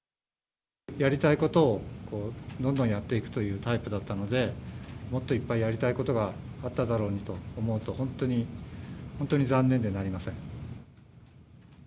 やりたいことをどんどんやっていくというタイプだったので、もっといっぱいやりたいことがあっただろうにと思うと、本当に、本当に残念でなりません。